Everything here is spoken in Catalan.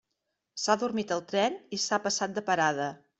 S'ha adormit al tren i s'ha passat de parada.